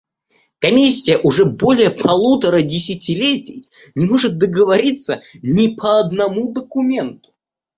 Комиссия уже более полутора десятилетий не может договориться ни по одному документу.